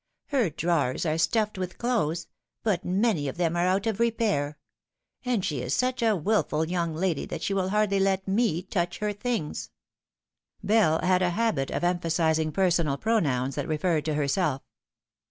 Her drawers are stuffed with clothes, but many of them are out of repair ; and she is such a wilful young lady that she will hardly let me touch her things." Bell had a habit of emphasising personal pronouns that referred to herself.